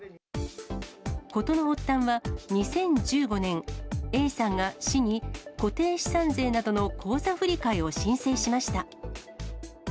事の発端は２０１５年、Ａさんが市に、固定資産税などの口座振替を申請しました。